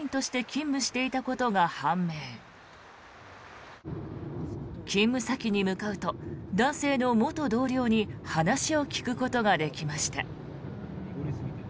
勤務先に向かうと男性の元同僚に話を聞くことができました。